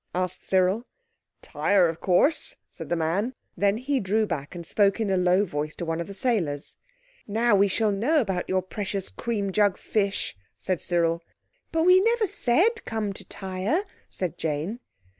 asked Cyril. "Tyre, of course," said the man. Then he drew back and spoke in a low voice to one of the sailors. "Now we shall know about your precious cream jug fish," said Cyril. "But we never said come to Tyre," said Jane.